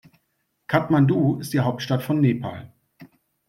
Kathmandu ist die Hauptstadt von Nepal.